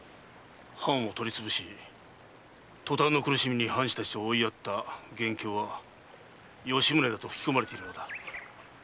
藩を取り潰し塗炭の苦しみに藩士たちを追いやった元凶は吉宗だと吹き込まれているのだ。